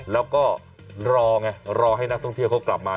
แล้วก็รอไงรอให้นักท่องเที่ยวเขากลับมา